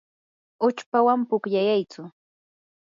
uchpawan pukllayaytsu.